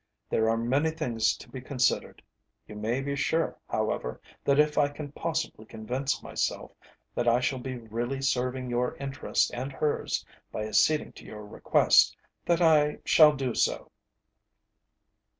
There are many things to be considered. You may be sure, however, that if I can possibly convince myself that I shall be really serving your interest and hers by acceding to your request, that I shall do so.